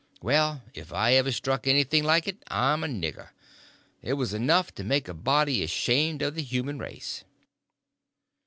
Well, if ever I struck anything like it, I'm a nigger. It was enough to make a body ashamed of the human race.